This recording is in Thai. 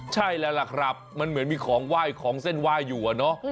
ใช่แล้วล่ะครับมันเหมือนมีของไหว้ของเส้นไหว้อยู่อะเนาะ